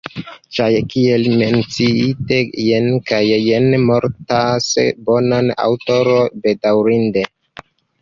Ĉar, kiel menciite, jen kaj jen mortas bonaj aŭtoroj, bedaŭrinde.